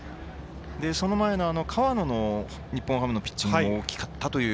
その前の河野の日本ハムピッチング大きかったですね。